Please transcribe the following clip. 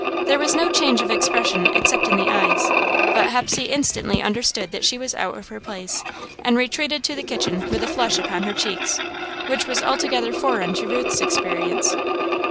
There was no change of expression except in the eyes, but Hepsey instantly understood that she was out of her place, and retreated to the kitchen with a flush upon her cheeks, which was altogether foreign to Ruth's experience.